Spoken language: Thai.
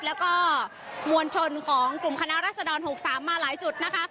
แล้วก็มวลชนของกลุ่มคณะรัศดร๖๓มาหลายจุดนะคะ